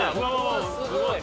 すごい！